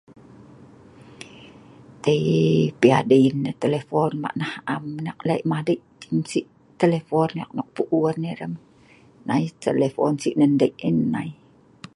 Teii pi adin neh telepon mak neh am neh e’ek lek madiek ceh sik telepon e’ek sik puun dei neh nei telepon Sik nan deik ai nei